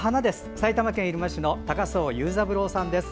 埼玉県入間市の高相友三朗さんです。